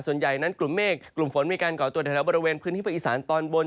ส่วนใหญ่นั้นกลุ่มเมฆกลุ่มฝนมีการก่อตัวในแถวบริเวณพื้นที่ภาคอีสานตอนบน